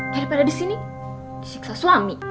daripada di sini disiksa suami